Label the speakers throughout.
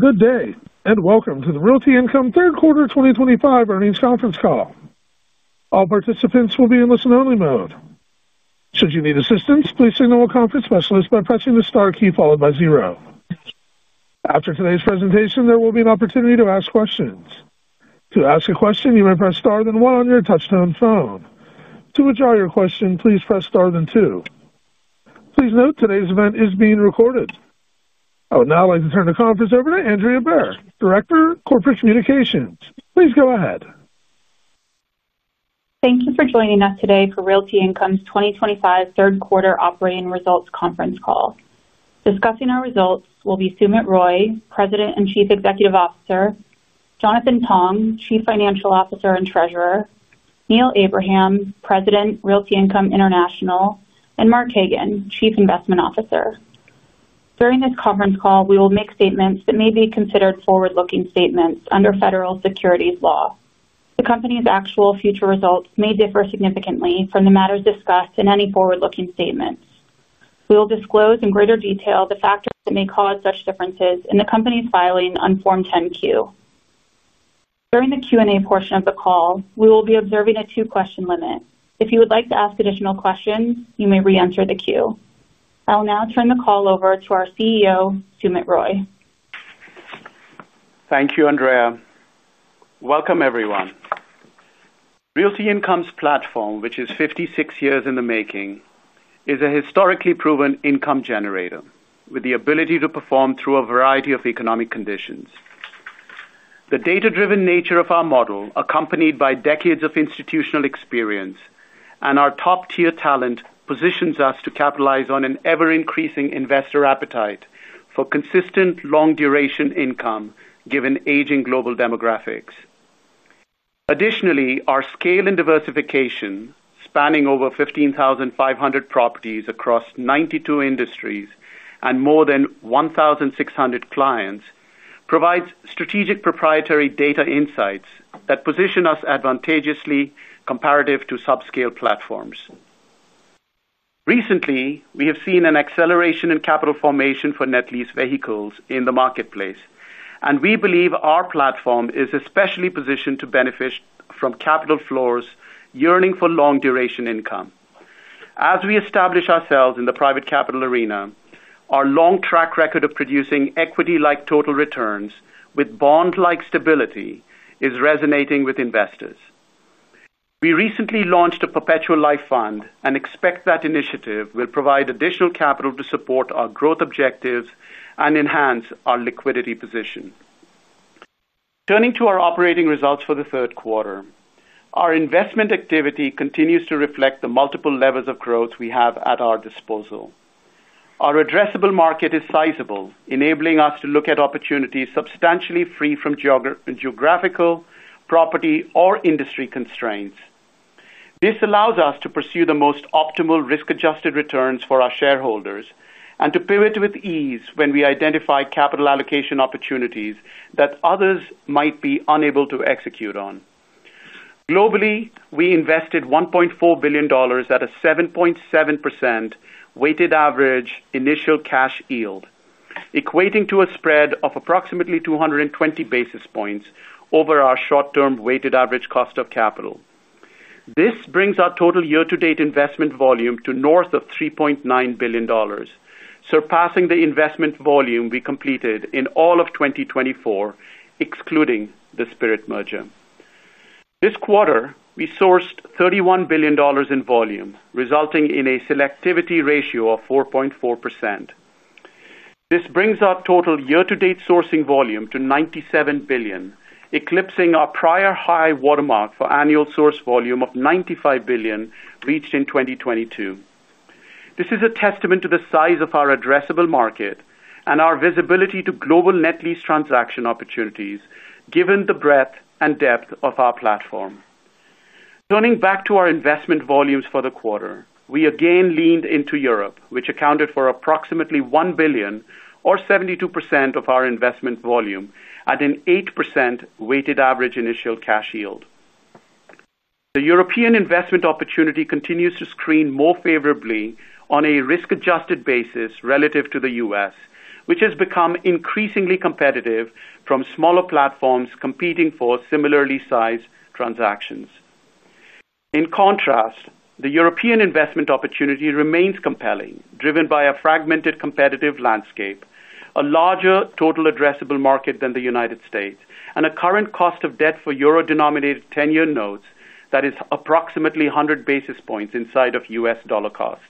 Speaker 1: Good day, and welcome to the Realty Income Q3 2025 earnings conference call. All participants will be in listen-only mode. Should you need assistance, please signal a conference specialist by pressing the star key followed by zero. After today's presentation, there will be an opportunity to ask questions. To ask a question, you may press star then one on your touchtone phone. To withdraw your question, please press star then two. Please note today's event is being recorded. I would now like to turn the conference over to Andrea Behr, Director of Corporate Communications. Please go ahead.
Speaker 2: Thank you for joining us today for Realty Income's Q2 2025 operating results conference call. Discussing our results will be Sumit Roy, President and Chief Executive Officer; Jonathan Pong, Chief Financial Officer and Treasurer; Neil Abraham, President of Realty Income International; and Mark Hagen, Chief Investment Officer. During this conference call, we will make statements that may be considered forward-looking statements under federal securities law. The company's actual future results may differ significantly from the matters discussed in any forward-looking statements. We will disclose in greater detail the factors that may cause such differences in the company's filing on Form 10-Q. During the Q&A portion of the call, we will be observing a two-question limit. If you would like to ask additional questions, you may re-enter the queue. I will now turn the call over to our CEO, Sumit Roy.
Speaker 3: Thank you, Andrea. Welcome, everyone. Realty Income's platform, which is 56 years in the making, is a historically proven income generator with the ability to perform through a variety of economic conditions. The data-driven nature of our model, accompanied by decades of institutional experience and our top-tier talent, positions us to capitalize on an ever-increasing investor appetite for consistent, long-duration income given aging global demographics. Additionally, our scale and diversification, spanning over 15,500 properties across 92 industries and more than 1,600 clients, provides strategic proprietary data insights that position us advantageously comparative to subscale platforms. Recently, we have seen an acceleration in capital formation for net lease vehicles in the marketplace, and we believe our platform is especially positioned to benefit from capital flows yearning for long-duration income. As we establish ourselves in the private capital arena, our long track record of producing equity-like total returns with bond-like stability is resonating with investors. We recently launched a perpetual life fund and expect that initiative will provide additional capital to support our growth objectives and enhance our liquidity position. Turning to our operating results for the third quarter, our investment activity continues to reflect the multiple levels of growth we have at our disposal. Our addressable market is sizable, enabling us to look at opportunities substantially free from geographical, property, or industry constraints. This allows us to pursue the most optimal risk-adjusted returns for our shareholders and to pivot with ease when we identify capital allocation opportunities that others might be unable to execute on. Globally, we invested $1.4 billion at a 7.7% weighted average initial cash yield, equating to a spread of approximately 220 basis points over our short-term weighted average cost of capital. This brings our total year-to-date investment volume to north of $3.9 billion, surpassing the investment volume we completed in all of 2024, excluding the Spirit merger. This quarter, we sourced $31 billion in volume, resulting in a selectivity ratio of 4.4%. This brings our total year-to-date sourcing volume to $97 billion, eclipsing our prior high watermark for annual source volume of $95 billion reached in 2022. This is a testament to the size of our addressable market and our visibility to global net lease transaction opportunities, given the breadth and depth of our platform. Turning back to our investment volumes for the quarter, we again leaned into Europe, which accounted for approximately $1 billion, or 72% of our investment volume, at an 8% weighted average initial cash yield. The European investment opportunity continues to screen more favorably on a risk-adjusted basis relative to the U.S., which has become increasingly competitive from smaller platforms competing for similarly sized transactions. In contrast, the European investment opportunity remains compelling, driven by a fragmented competitive landscape, a larger total addressable market than the United States, and a current cost of debt for euro-denominated 10-year notes that is approximately 100 basis points inside of U.S. dollar costs.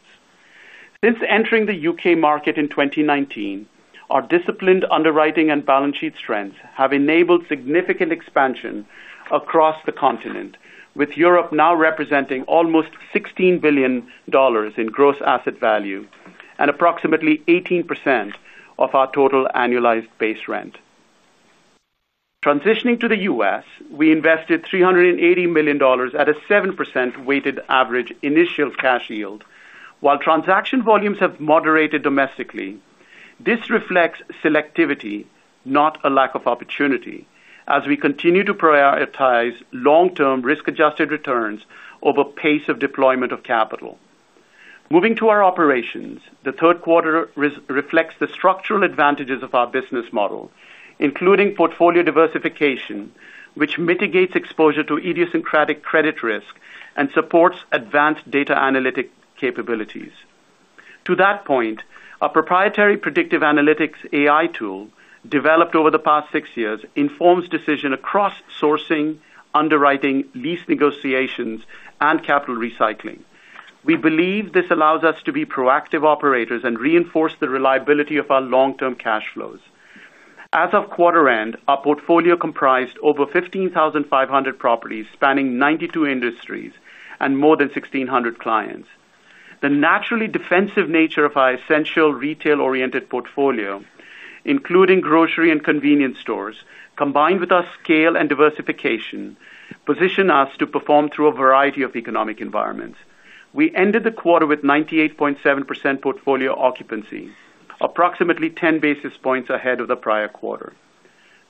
Speaker 3: Since entering the U.K. market in 2019, our disciplined underwriting and balance sheet strengths have enabled significant expansion across the continent, with Europe now representing almost $16 billion in gross asset value and approximately 18% of our total annualized base rent. Transitioning to the U.S., we invested $380 million at a 7% weighted average initial cash yield, while transaction volumes have moderated domestically. This reflects selectivity, not a lack of opportunity, as we continue to prioritize long-term risk-adjusted returns over pace of deployment of capital. Moving to our operations, the third quarter reflects the structural advantages of our business model, including portfolio diversification, which mitigates exposure to idiosyncratic credit risk and supports advanced data analytic capabilities. To that point, a proprietary predictive analytics AI tool developed over the past six years informs decision across sourcing, underwriting, lease negotiations, and capital recycling. We believe this allows us to be proactive operators and reinforce the reliability of our long-term cash flows. As of quarter end, our portfolio comprised over 15,500 properties spanning 92 industries and more than 1,600 clients. The naturally defensive nature of our essential retail-oriented portfolio, including grocery and convenience stores, combined with our scale and diversification, positions us to perform through a variety of economic environments. We ended the quarter with 98.7% portfolio occupancy, approximately 10 basis points ahead of the prior quarter.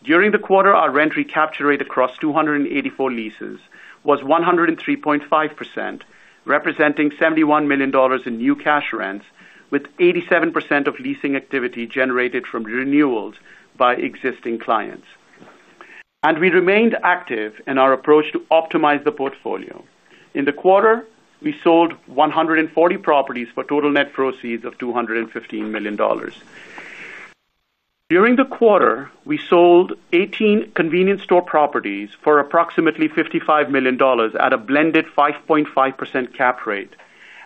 Speaker 3: During the quarter, our rent recapture rate across 284 leases was 103.5%, representing $71 million in new cash rents, with 87% of leasing activity generated from renewals by existing clients. We remained active in our approach to optimize the portfolio. In the quarter, we sold 140 properties for total net proceeds of $215 million. During the quarter, we sold 18 convenience store properties for approximately $55 million at a blended 5.5% cap rate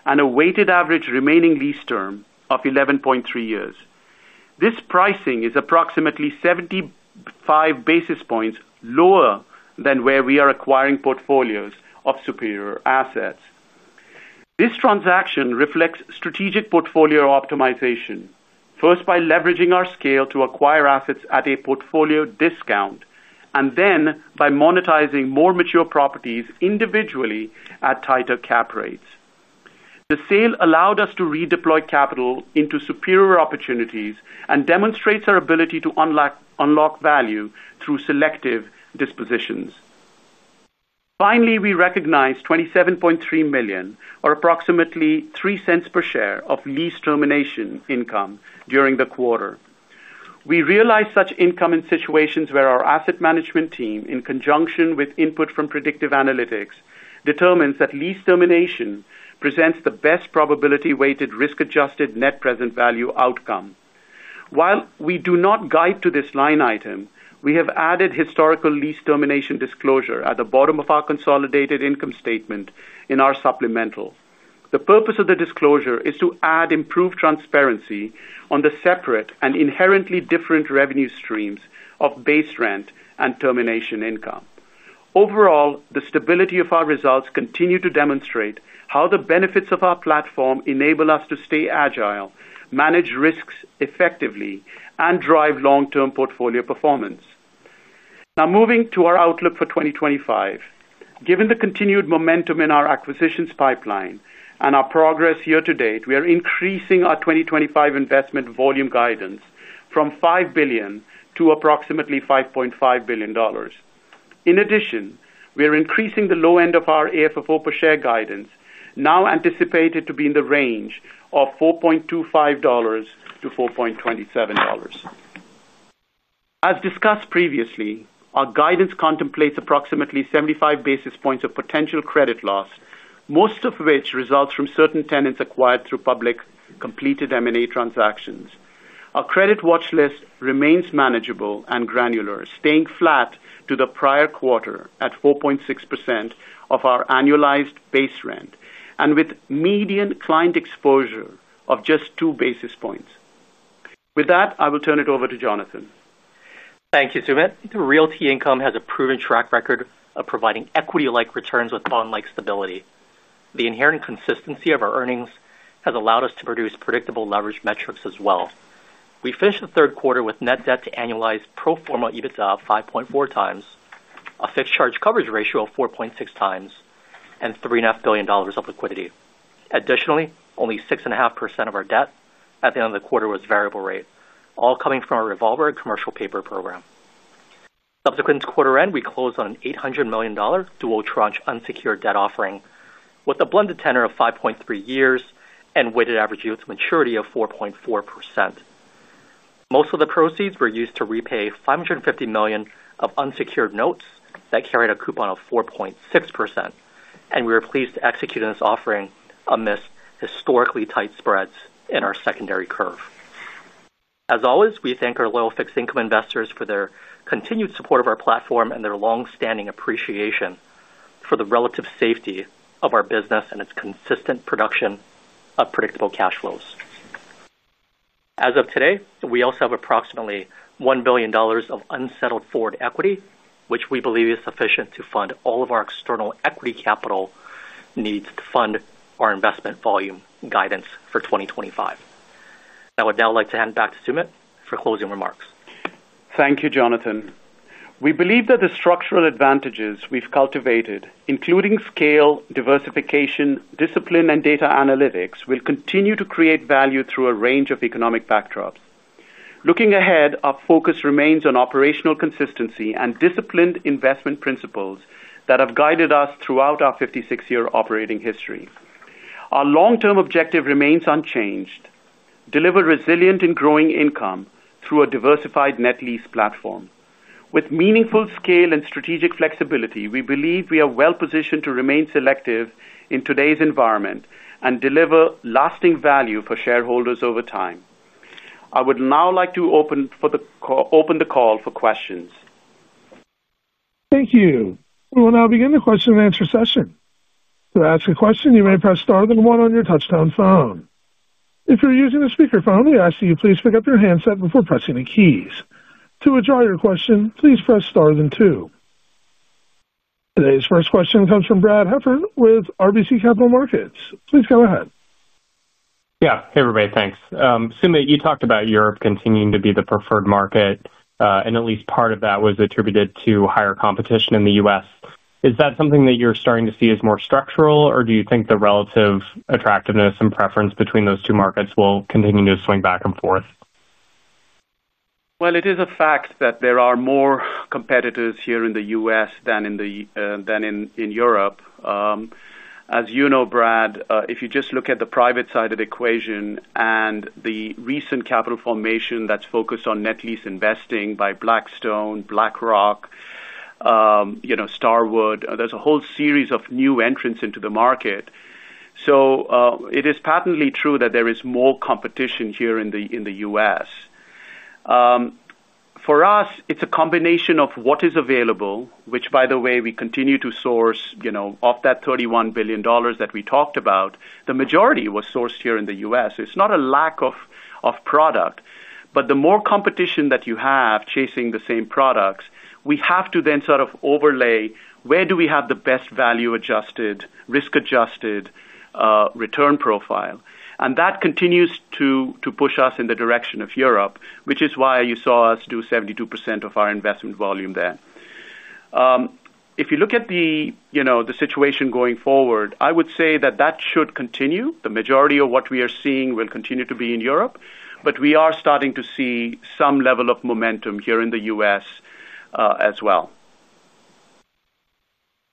Speaker 3: and a weighted average remaining lease term of 11.3 years. This pricing is approximately 75 basis points lower than where we are acquiring portfolios of superior assets. This transaction reflects strategic portfolio optimization, first by leveraging our scale to acquire assets at a portfolio discount and then by monetizing more mature properties individually at tighter cap rates. The sale allowed us to redeploy capital into superior opportunities and demonstrates our ability to unlock value through selective dispositions. Finally, we recognized $27.3 million, or approximately $0.03 per share, of lease termination income during the quarter. We realized such income in situations where our asset management team, in conjunction with input from predictive analytics, determines that lease termination presents the best probability-weighted risk-adjusted net present value outcome. While we do not guide to this line item, we have added historical lease termination disclosure at the bottom of our consolidated income statement in our supplemental. The purpose of the disclosure is to add improved transparency on the separate and inherently different revenue streams of base rent and termination income. Overall, the stability of our results continue to demonstrate how the benefits of our platform enable us to stay agile, manage risks effectively, and drive long-term portfolio performance. Now, moving to our outlook for 2025, given the continued momentum in our acquisitions pipeline and our progress year-to-date, we are increasing our 2025 investment volume guidance from $5 billion to approximately $5.5 billion. In addition, we are increasing the low end of our AFFO per share guidance, now anticipated to be in the range of $4.25-$4.27. As discussed previously, our guidance contemplates approximately 75 basis points of potential credit loss, most of which results from certain tenants acquired through public completed M&A transactions. Our credit watch list remains manageable and granular, staying flat to the prior quarter at 4.6% of our annualized base rent and with median client exposure of just two basis points. With that, I will turn it over to Jonathan.
Speaker 4: Thank you, Sumit. Realty Income has a proven track record of providing equity-like returns with bond-like stability. The inherent consistency of our earnings has allowed us to produce predictable leverage metrics as well. We finished the third quarter with net debt to annualized pro forma EBITDA of 5.4x, a fixed charge coverage ratio of 4.6x, and $3.5 billion of liquidity. Additionally, only 6.5% of our debt at the end of the quarter was variable rate, all coming from our revolver and commercial paper program. Subsequent to quarter end, we closed on an $800 million dual tranche unsecured debt offering with a blended tenor of 5.3 years and weighted average yield to maturity of 4.4%. Most of the proceeds were used to repay $550 million of unsecured notes that carried a coupon of 4.6%, and we were pleased to execute on this offering amidst historically tight spreads in our secondary curve. As always, we thank our loyal fixed income investors for their continued support of our platform and their longstanding appreciation for the relative safety of our business and its consistent production of predictable cash flows. As of today, we also have approximately $1 billion of unsettled forward equity, which we believe is sufficient to fund all of our external equity capital needs to fund our investment volume guidance for 2025. I would now like to hand back to Sumit for closing remarks.
Speaker 3: Thank you, Jonathan. We believe that the structural advantages we've cultivated, including scale, diversification, discipline, and data analytics, will continue to create value through a range of economic backdrops. Looking ahead, our focus remains on operational consistency and disciplined investment principles that have guided us throughout our 56-year operating history. Our long-term objective remains unchanged: deliver resilient and growing income through a diversified net lease platform. With meaningful scale and strategic flexibility, we believe we are well-positioned to remain selective in today's environment and deliver lasting value for shareholders over time. I would now like to open the call for questions.
Speaker 1: Thank you. We will now begin the question and answer session. To ask a question, you may press star then one on your touch-tone phone. If you're using a speakerphone, we ask that you please pick up your handset before pressing any keys. To withdraw your question, please press star then two. Today's first question comes from Brad Heffern with RBC Capital Markets. Please go ahead.
Speaker 5: Yeah. Hey, everybody. Thanks. Sumit, you talked about Europe continuing to be the preferred market, and at least part of that was attributed to higher competition in the U.S. Is that something that you're starting to see as more structural, or do you think the relative attractiveness and preference between those two markets will continue to swing back and forth?
Speaker 3: It is a fact that there are more competitors here in the U.S. than in Europe. As you know, Brad, if you just look at the private-sided equation and the recent capital formation that's focused on net lease investing by Blackstone, BlackRock, Starwood, there's a whole series of new entrants into the market. It is patently true that there is more competition here in the U.S. For us, it's a combination of what is available, which, by the way, we continue to source. Of that $31 billion that we talked about, the majority was sourced here in the U.S. It's not a lack of product, but the more competition that you have chasing the same products, we have to then sort of overlay where do we have the best value-adjusted, risk-adjusted return profile. That continues to push us in the direction of Europe, which is why you saw us do 72% of our investment volume there. If you look at the situation going forward, I would say that that should continue. The majority of what we are seeing will continue to be in Europe, but we are starting to see some level of momentum here in the U.S. as well.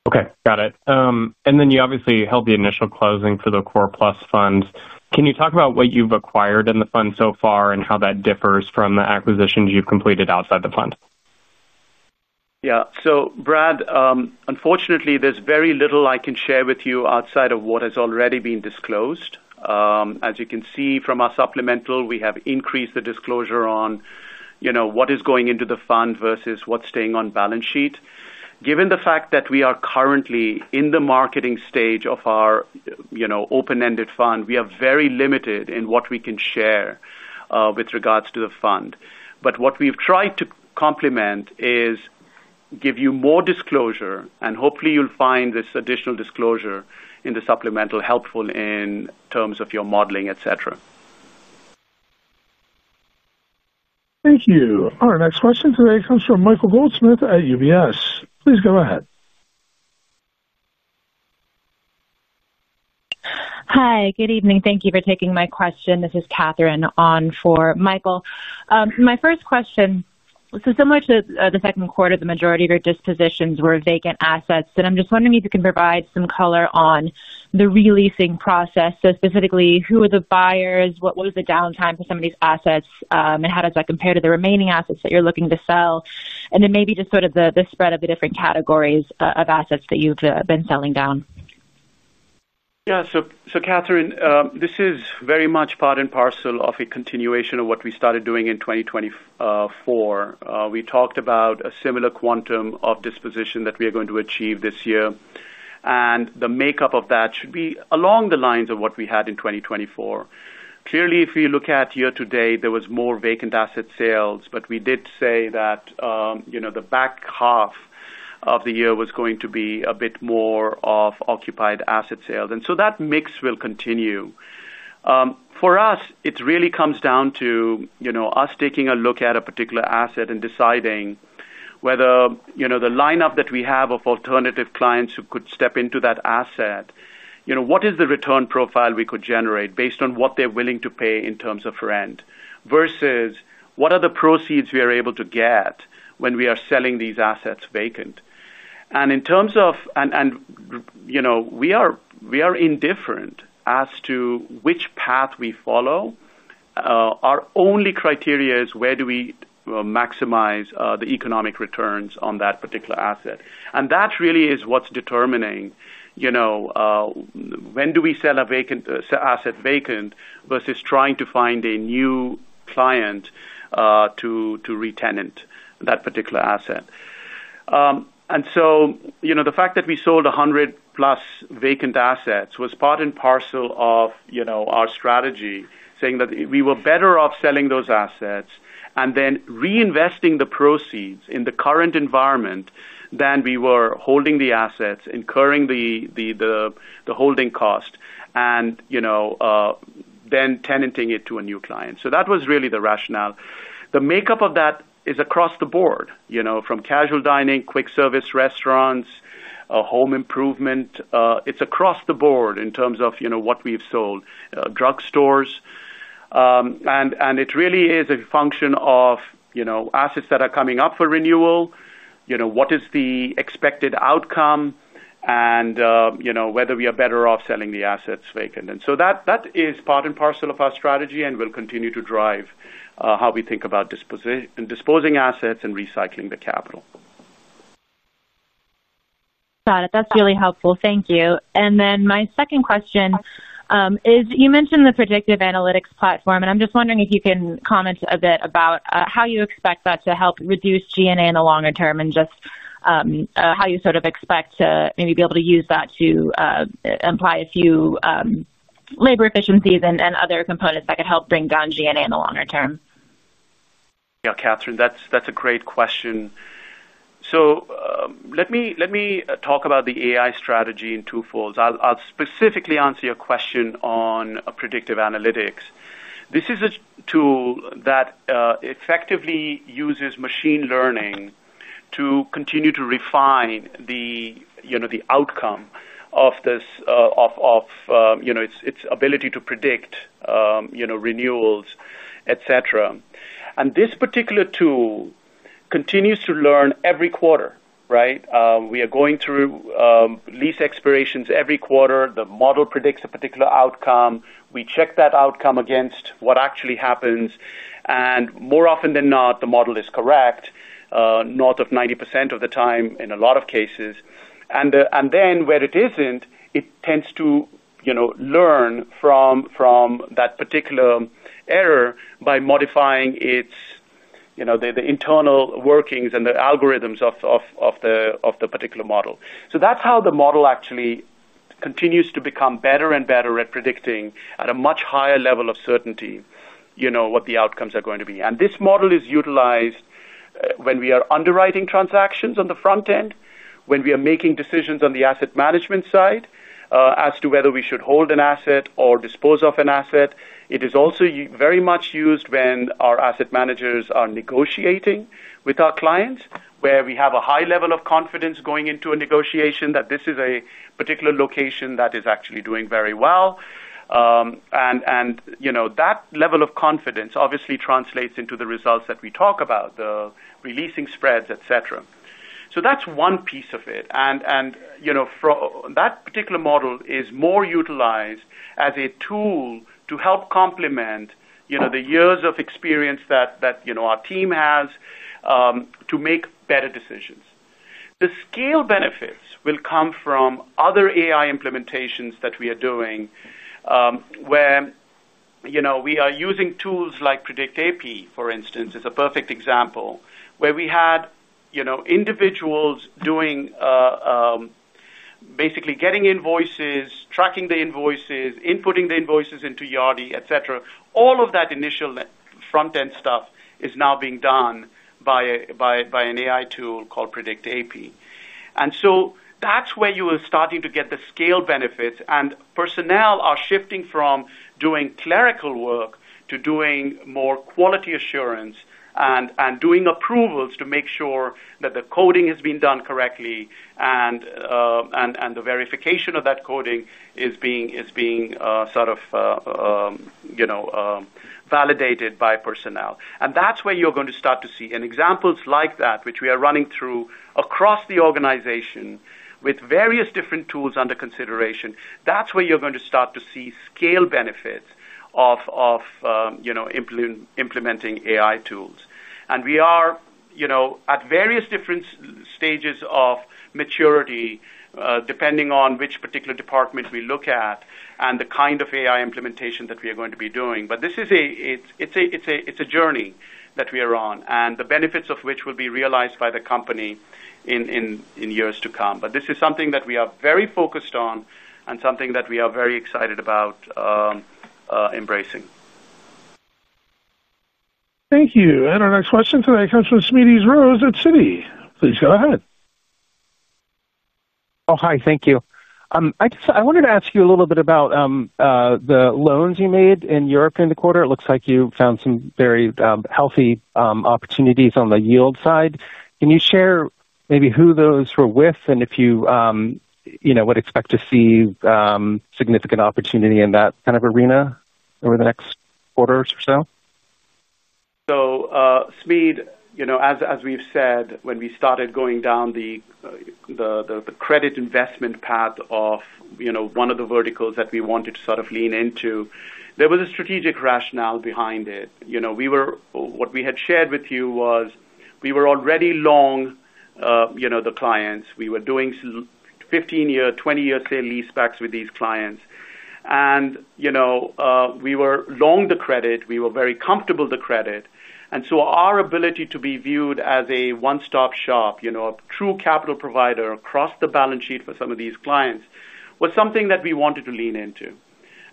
Speaker 5: Okay. Got it. You obviously held the initial closing for the Core Plus Fund. Can you talk about what you've acquired in the fund so far and how that differs from the acquisitions you've completed outside the fund?
Speaker 3: Yeah. So, Brad, unfortunately, there's very little I can share with you outside of what has already been disclosed. As you can see from our supplemental, we have increased the disclosure on what is going into the fund versus what's staying on balance sheet. Given the fact that we are currently in the marketing stage of our open-ended fund, we are very limited in what we can share with regards to the fund. What we've tried to complement is give you more disclosure, and hopefully you'll find this additional disclosure in the supplemental helpful in terms of your modeling, et cetera.
Speaker 1: Thank you. Our next question today comes from Michael Goldsmith at UBS. Please go ahead.
Speaker 6: Hi. Good evening. Thank you for taking my question. This is Kathryn on for Michael. My first question, so similar to the second quarter, the majority of your dispositions were vacant assets. I'm just wondering if you can provide some color on the releasing process. Specifically, who were the buyers? What was the downtime for some of these assets? How does that compare to the remaining assets that you're looking to sell? Maybe just sort of the spread of the different categories of assets that you've been selling down.
Speaker 3: Yeah. Kathryn, this is very much part and parcel of a continuation of what we started doing in 2024. We talked about a similar quantum of disposition that we are going to achieve this year, and the makeup of that should be along the lines of what we had in 2024. Clearly, if you look at year-to-date, there was more vacant asset sales, but we did say that. The back half of the year was going to be a bit more of occupied asset sales. That mix will continue. For us, it really comes down to us taking a look at a particular asset and deciding whether the lineup that we have of alternative clients who could step into that asset, what is the return profile we could generate based on what they're willing to pay in terms of rent versus what are the proceeds we are able to get when we are selling these assets vacant. In terms of, and, we are indifferent as to which path we follow. Our only criteria is where do we maximize the economic returns on that particular asset. That really is what's determining when do we sell a vacant asset vacant versus trying to find a new client to re-tenant that particular asset. The fact that we sold 100+ vacant assets was part and parcel of our strategy, saying that we were better off selling those assets and then reinvesting the proceeds in the current environment than we were holding the assets, incurring the holding cost, and then tenanting it to a new client. That was really the rationale. The makeup of that is across the board from casual dining, quick-service restaurants, home improvement. It's across the board in terms of what we've sold, drug stores. It really is a function of assets that are coming up for renewal, what is the expected outcome, and whether we are better off selling the assets vacant. That is part and parcel of our strategy and will continue to drive how we think about disposing assets and recycling the capital.
Speaker 6: Got it. That's really helpful. Thank you. My second question is you mentioned the predictive analytics platform, and I'm just wondering if you can comment a bit about how you expect that to help reduce G&A in the longer term and just how you sort of expect to maybe be able to use that to imply a few labor efficiencies and other components that could help bring down G&A in the longer term.
Speaker 3: Yeah, Kathryn, that's a great question. Let me talk about the AI strategy in two folds. I'll specifically answer your question on predictive analytics. This is a tool that effectively uses machine learning to continue to refine the outcome of its ability to predict renewals, et cetera. This particular tool continues to learn every quarter, right? We are going through lease expirations every quarter. The model predicts a particular outcome. We check that outcome against what actually happens. More often than not, the model is correct, north of 90% of the time in a lot of cases. Where it isn't, it tends to learn from that particular error by modifying the internal workings and the algorithms of the particular model. That's how the model actually continues to become better and better at predicting at a much higher level of certainty what the outcomes are going to be. This model is utilized when we are underwriting transactions on the front end, when we are making decisions on the asset management side as to whether we should hold an asset or dispose of an asset. It is also very much used when our asset managers are negotiating with our clients, where we have a high level of confidence going into a negotiation that this is a particular location that is actually doing very well. That level of confidence obviously translates into the results that we talk about, the releasing spreads, et cetera. That's one piece of it. That particular model is more utilized as a tool to help complement the years of experience that our team has to make better decisions. The scale benefits will come from other AI implementations that we are doing. We are using tools like PredictAP, for instance, which is a perfect example, where we had individuals basically getting invoices, tracking the invoices, inputting the invoices into Yardi, et cetera. All of that initial front-end stuff is now being done by an AI tool called PredictAP. That's where you are starting to get the scale benefits. Personnel are shifting from doing clerical work to doing more quality assurance and doing approvals to make sure that the coding has been done correctly and the verification of that coding is being sort of validated by personnel. That's where you're going to start to see examples like that, which we are running through across the organization with various different tools under consideration. That's where you're going to start to see scale benefits of implementing AI tools. We are at various different stages of maturity, depending on which particular department we look at and the kind of AI implementation that we are going to be doing. This is a journey that we are on, and the benefits of which will be realized by the company in years to come. This is something that we are very focused on and something that we are very excited about embracing.
Speaker 1: Thank you. Our next question today comes from Smedes Rose at Citi. Please go ahead.
Speaker 7: Oh, hi. Thank you. I wanted to ask you a little bit about the loans you made in Europe in the quarter. It looks like you found some very healthy opportunities on the yield side. Can you share maybe who those were with and if you would expect to see significant opportunity in that kind of arena over the next quarter or so?
Speaker 3: As we've said, when we started going down the credit investment path of one of the verticals that we wanted to sort of lean into, there was a strategic rationale behind it. What we had shared with you was we were already long the clients. We were doing 15-year, 20-year sale-leasebacks with these clients. We were long the credit. We were very comfortable with the credit. Our ability to be viewed as a one-stop shop, a true capital provider across the balance sheet for some of these clients, was something that we wanted to lean into.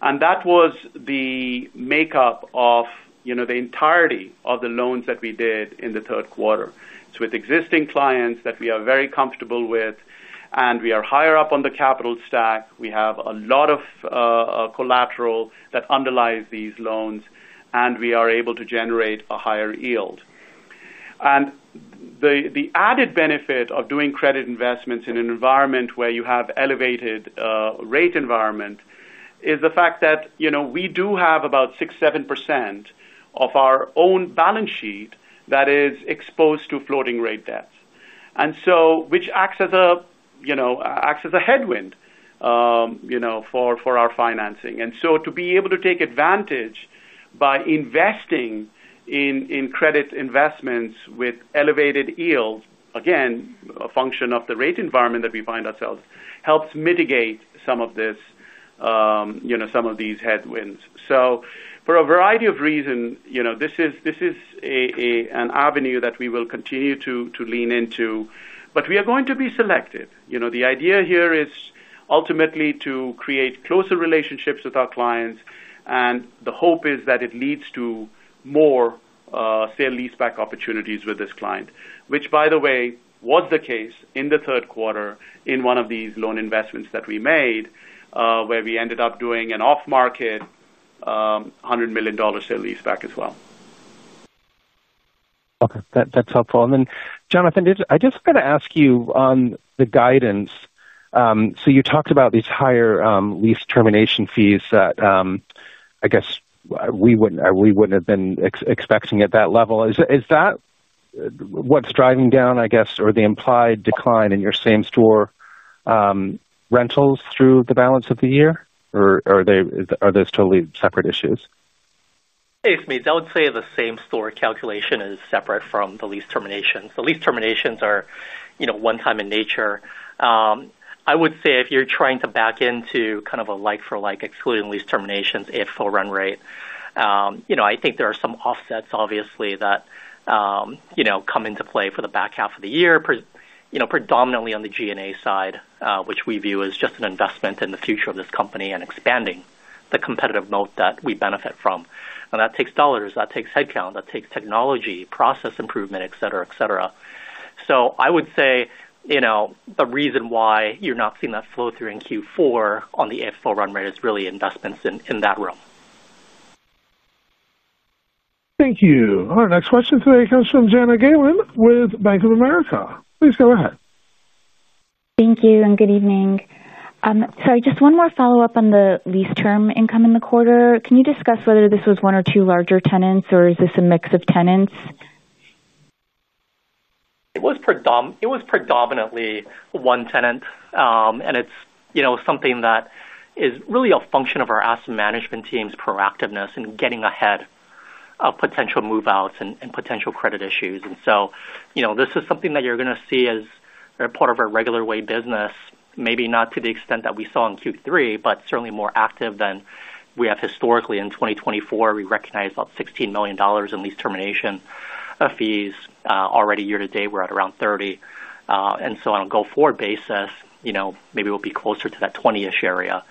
Speaker 3: That was the makeup of the entirety of the loans that we did in the third quarter. It's with existing clients that we are very comfortable with. We are higher up on the capital stack. We have a lot of collateral that underlies these loans, and we are able to generate a higher yield. The added benefit of doing credit investments in an environment where you have elevated rate environment is the fact that we do have about 6%-7% of our own balance sheet that is exposed to floating rate debts, which acts as a headwind for our financing. To be able to take advantage by investing in credit investments with elevated yields, again, a function of the rate environment that we find ourselves, helps mitigate some of these headwinds. For a variety of reasons, this is an avenue that we will continue to lean into. We are going to be selective. The idea here is ultimately to create closer relationships with our clients. The hope is that it leads to more sale leaseback opportunities with this client, which, by the way, was the case in the third quarter in one of these loan investments that we made, where we ended up doing an off-market $100 million sale lease pack as well.
Speaker 7: Okay. That's helpful. Jonathan, I just want to ask you on the guidance. You talked about these higher lease termination fees that, I guess, we wouldn't have been expecting at that level. Is that what's driving down, I guess, or the implied decline in your same-store rentals through the balance of the year? Or are those totally separate issues?
Speaker 4: Hey, Smedes. I would say the same-store calculation is separate from the lease terminations. The lease terminations are one-time in nature. I would say if you're trying to back into kind of a like-for-like, excluding lease terminations, a full run rate, I think there are some offsets, obviously, that come into play for the back half of the year, predominantly on the G&A side, which we view as just an investment in the future of this company and expanding the competitive moat that we benefit from. That takes dollars. That takes headcount. That takes technology, process improvement, et cetera, et cetera. I would say the reason why you're not seeing that flow through in Q4 on the full run rate is really investments in that room.
Speaker 1: Thank you. Our next question today comes from Jana Galan with Bank of America. Please go ahead.
Speaker 8: Thank you and good evening. Just one more follow-up on the lease termination income in the quarter. Can you discuss whether this was one or two larger tenants, or is this a mix of tenants?
Speaker 4: It was predominantly one tenant. It is something that is really a function of our asset management team's proactiveness in getting ahead of potential move-outs and potential credit issues. This is something that you are going to see as part of our regular way business, maybe not to the extent that we saw in Q3, but certainly more active than we have historically. In 2024, we recognized about $16 million in lease termination fees. Already year to date, we are at around $30 million. On a go-forward basis, maybe we will be closer to that $20 million area.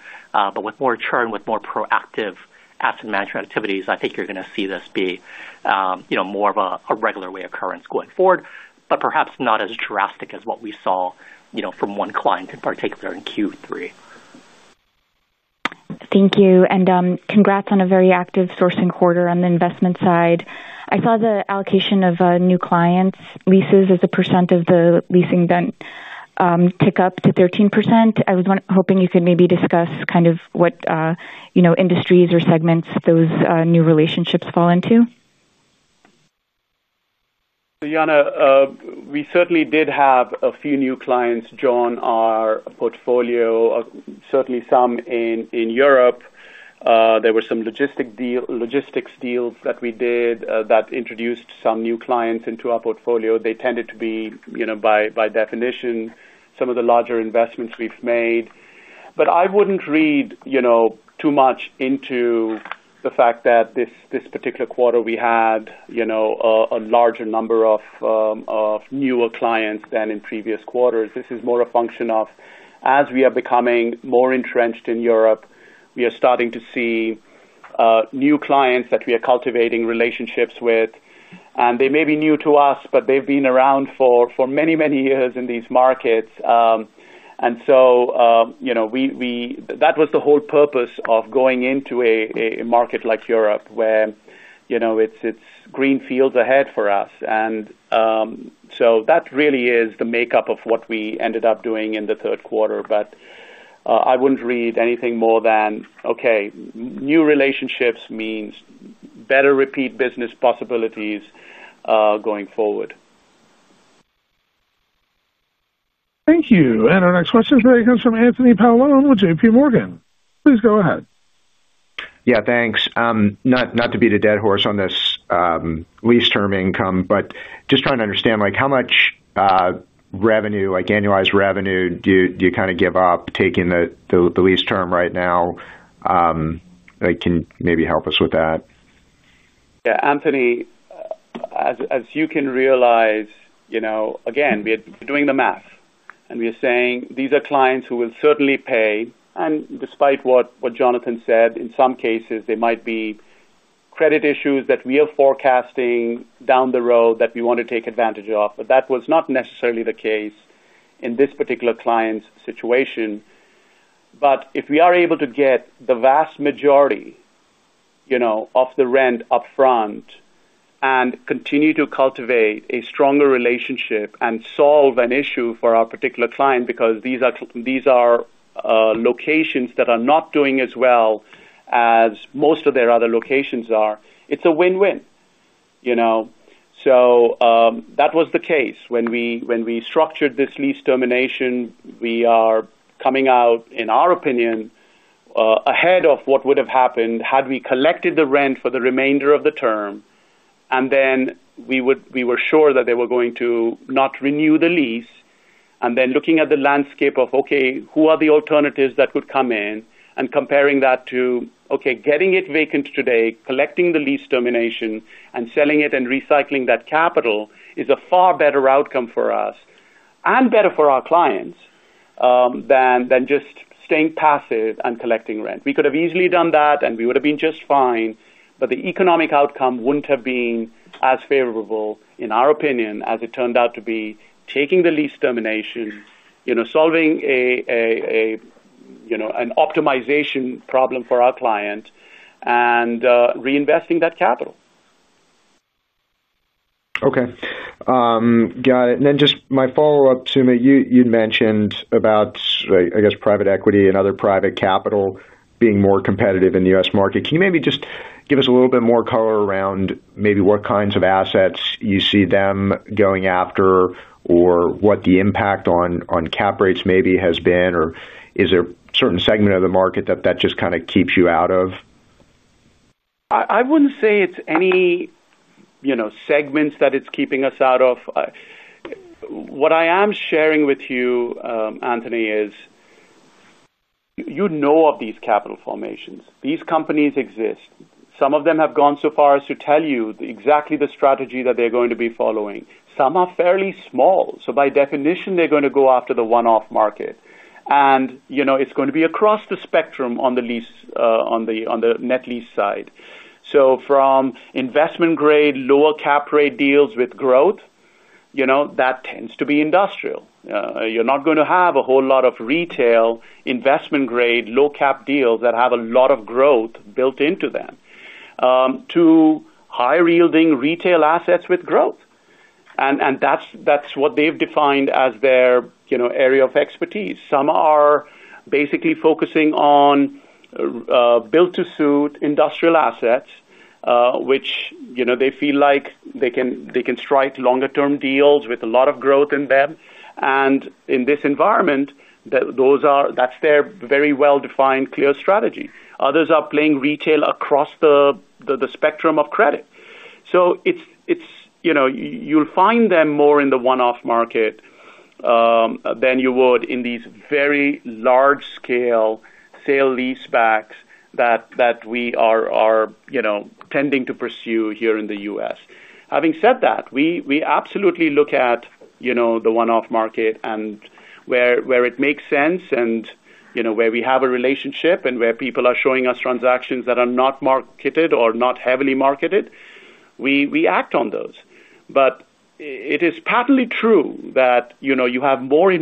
Speaker 4: With more churn, with more proactive asset management activities, I think you are going to see this be more of a regular way occurrence going forward, but perhaps not as drastic as what we saw from one client in particular in Q3.
Speaker 8: Thank you. Congrats on a very active sourcing quarter on the investment side. I saw the allocation of new clients' leases as a percent of the leasing tick up to 13%. I was hoping you could maybe discuss kind of what industries or segments those new relationships fall into?
Speaker 3: Jana, we certainly did have a few new clients join our portfolio, certainly some in Europe. There were some logistics deals that we did that introduced some new clients into our portfolio. They tended to be, by definition, some of the larger investments we've made. I wouldn't read too much into the fact that this particular quarter we had a larger number of newer clients than in previous quarters. This is more a function of, as we are becoming more entrenched in Europe, we are starting to see new clients that we are cultivating relationships with. They may be new to us, but they've been around for many, many years in these markets. That was the whole purpose of going into a market like Europe, where it's green fields ahead for us. That really is the makeup of what we ended up doing in the third quarter. I wouldn't read anything more than, okay, new relationships means better repeat business possibilities going forward.
Speaker 1: Thank you. Our next question today comes from Anthony Paolone with JPMorgan. Please go ahead.
Speaker 9: Yeah, thanks. Not to beat a dead horse on this lease termination income, but just trying to understand how much revenue, annualized revenue, do you kind of give up taking the lease termination right now? Can you maybe help us with that?
Speaker 3: Yeah. Anthony. As you can realize, again, we're doing the math. And we are saying these are clients who will certainly pay. And despite what Jonathan said, in some cases, there might be credit issues that we are forecasting down the road that we want to take advantage of. That was not necessarily the case in this particular client's situation. If we are able to get the vast majority of the rent upfront and continue to cultivate a stronger relationship and solve an issue for our particular client because these are locations that are not doing as well as most of their other locations are, it's a win-win. That was the case. When we structured this lease termination, we are coming out, in our opinion, ahead of what would have happened had we collected the rent for the remainder of the term. We were sure that they were going to not renew the lease. Looking at the landscape of, okay, who are the alternatives that could come in, and comparing that to, okay, getting it vacant today, collecting the lease termination, and selling it and recycling that capital is a far better outcome for us. Better for our clients than just staying passive and collecting rent. We could have easily done that, and we would have been just fine. The economic outcome would not have been as favorable, in our opinion, as it turned out to be, taking the lease termination, solving an optimization problem for our client, and reinvesting that capital.
Speaker 9: Okay. Got it. Just my follow-up to you, you'd mentioned about, I guess, private equity and other private capital being more competitive in the U.S. market. Can you maybe just give us a little bit more color around maybe what kinds of assets you see them going after or what the impact on cap rates maybe has been? Is there a certain segment of the market that just kind of keeps you out of?
Speaker 3: I wouldn't say it's any segment that it's keeping us out of. What I am sharing with you, Anthony, is, you know, of these capital formations, these companies exist. Some of them have gone so far as to tell you exactly the strategy that they're going to be following. Some are fairly small, so by definition, they're going to go after the one-off market, and it's going to be across the spectrum on the net lease side. So from investment-grade, lower-cap rate deals with growth, that tends to be industrial. You're not going to have a whole lot of retail investment-grade, low-cap deals that have a lot of growth built into them, to high-yielding retail assets with growth. And that's what they've defined as their area of expertise. Some are basically focusing on built-to-suit industrial assets, which they feel like they can strike longer-term deals with a lot of growth in them. In this environment, that's their very well-defined, clear strategy. Others are playing retail across the spectrum of credit, so you'll find them more in the one-off market than you would in these very large-scale sale lease packs that we are tending to pursue here in the U.S. Having said that, we absolutely look at the one-off market, and where it makes sense and where we have a relationship and where people are showing us transactions that are not marketed or not heavily marketed, we act on those. It is patently true that you have more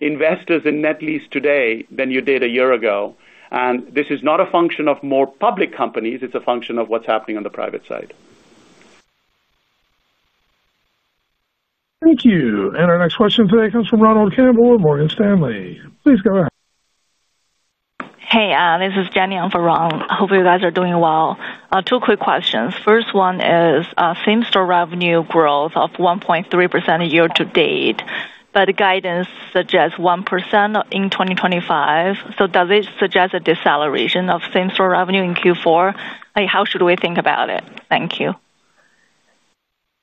Speaker 3: investors in net lease today than you did a year ago, and this is not a function of more public companies. It's a function of what's happening on the private side.
Speaker 1: Thank you. Our next question today comes from Ronald Kamdem with Morgan Stanley. Please go ahead.
Speaker 10: Hey, this is Jenny on for Ronald. Hope you guys are doing well. Two quick questions. First one is same-store revenue growth of 1.3% year to date, but guidance suggests 1% in 2025. Does it suggest a deceleration of same-store revenue in Q4? How should we think about it? Thank you.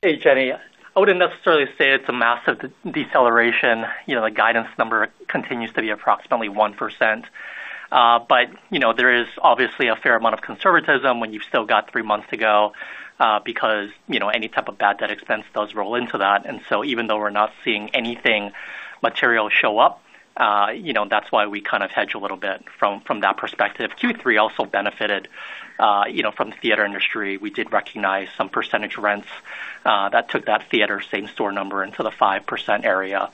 Speaker 4: Hey, Jenny. I wouldn't necessarily say it's a massive deceleration. The guidance number continues to be approximately 1%. There is obviously a fair amount of conservatism when you've still got three months to go because any type of bad debt expense does roll into that. Even though we're not seeing anything material show up, that's why we kind of hedge a little bit from that perspective. Q3 also benefited from the theater industry. We did recognize some percentage rents that took that theater same-store number into the 5% area.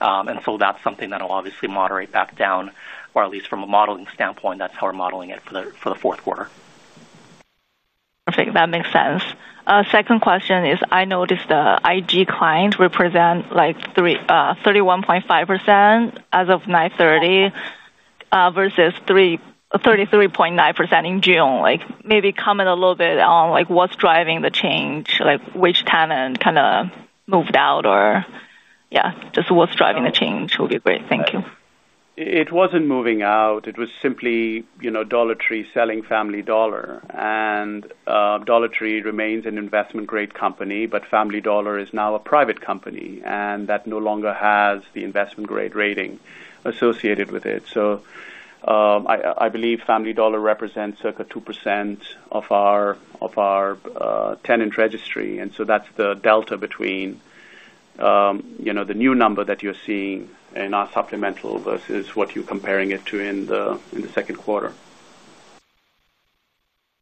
Speaker 4: That's something that will obviously moderate back down, or at least from a modeling standpoint, that's how we're modeling it for the fourth quarter.
Speaker 10: Perfect. That makes sense. Second question is, I noticed the IG client represent 31.5% as of 9/30 versus 33.9% in June. Maybe comment a little bit on what's driving the change, which tenant kind of moved out, or yeah, just what's driving the change would be great. Thank you.
Speaker 3: It was not moving out. It was simply Dollar Tree selling Family Dollar. Dollar Tree remains an investment-grade company, but Family Dollar is now a private company, and that no longer has the investment-grade rating associated with it. I believe Family Dollar represents circa 2% of our tenant registry. That is the delta between the new number that you are seeing in our supplemental versus what you are comparing it to in the second quarter.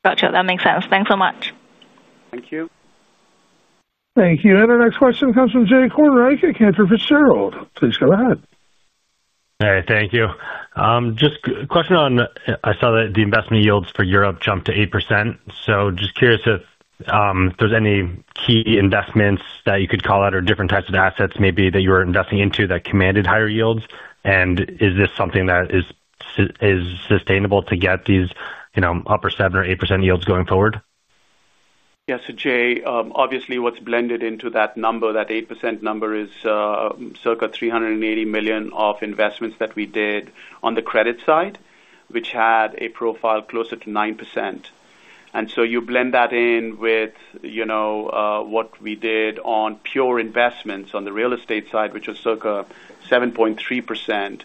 Speaker 10: Gotcha. That makes sense. Thanks so much.
Speaker 3: Thank you.
Speaker 1: Thank you. Our next question comes from Jay Kornreich at Cantor Fitzgerald. Please go ahead.
Speaker 11: All right. Thank you. Just a question on I saw that the investment yields for Europe jumped to 8%. Just curious if there's any key investments that you could call out or different types of assets maybe that you were investing into that commanded higher yields. Is this something that is sustainable to get these upper 7% or 8% yields going forward?
Speaker 3: Yeah. Jay, obviously, what's blended into that number, that 8% number, is circa $380 million of investments that we did on the credit side, which had a profile closer to 9%. You blend that in with what we did on pure investments on the real estate side, which was circa 7.3%.